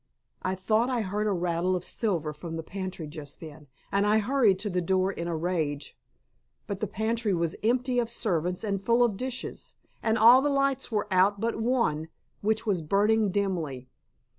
I thought I heard a rattle of silver from the pantry just then, and I hurried to the door in a rage. But the pantry was empty of servants and full of dishes, and all the lights were out but one, which was burning dimly.